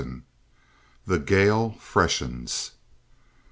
THE GALE FRESHENS.